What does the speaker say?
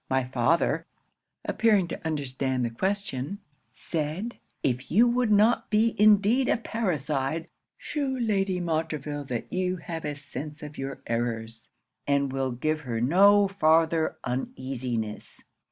'My father, appearing to understand the question, said "If you would not be indeed a parricide, shew Lady Montreville that you have a sense of your errors, and will give her no farther uneasiness."